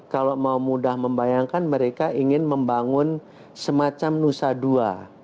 kalau mau mudah membayangkan mereka ingin membangun semacam nusa dua